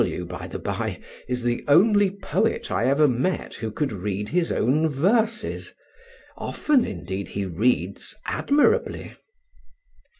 (W., by the bye is the only poet I ever met who could read his own verses: often indeed he reads admirably.)